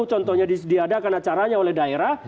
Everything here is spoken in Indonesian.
contohnya diadakan acaranya oleh daerah